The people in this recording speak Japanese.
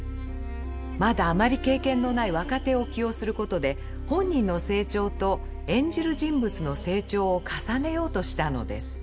まだあまり経験のない若手を起用することで本人の成長と演じる人物の成長を重ねようとしたのです。